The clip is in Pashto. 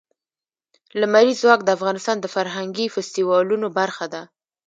لمریز ځواک د افغانستان د فرهنګي فستیوالونو برخه ده.